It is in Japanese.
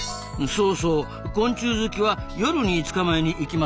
そうそう昆虫好きは夜に捕まえに行きますもんね。